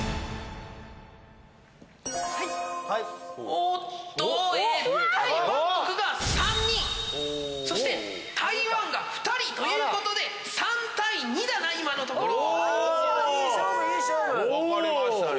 おっとおタイ・バンコクが３人そして台湾が２人ということで３対２だな今のところいい勝負いい勝負いい勝負分かれましたね